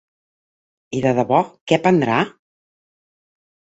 I de debò, què prendrà?